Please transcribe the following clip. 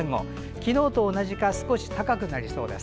昨日と同じか少し高くなりそうです。